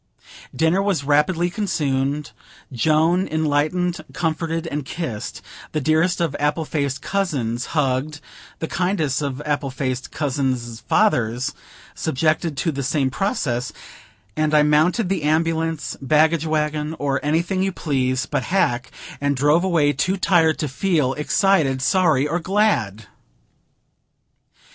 Dinner was rapidly consumed; Joan enlightened, comforted, and kissed; the dearest of apple faced cousins hugged; the kindest of apple faced cousins' fathers subjected to the same process; and I mounted the ambulance, baggage wagon, or anything you please but hack, and drove away, too tired to feel excited, sorry, or glad.